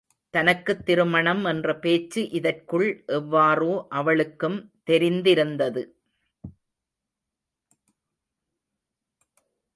தனக்குத் திருமணம் என்ற பேச்சு இதற்குள் எவ்வாறோ அவளுக்கும் தெரிந்திருந்தது.